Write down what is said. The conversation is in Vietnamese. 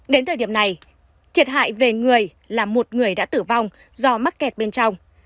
đến thời điểm này thiệt hại về người là một người đã tử vong do mắc kẹt bên trong